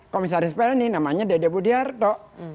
komisaris pelni namanya dede budiarto